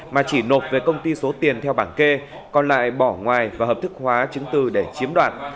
mà chỉ nộp về công ty số tiền theo bảng kê còn lại bỏ ngoài và hợp thức hóa chứng từ để chiếm đoạt